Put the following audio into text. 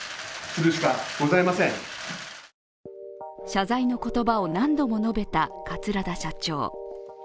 謝罪の言葉を何度も述べた桂田社長。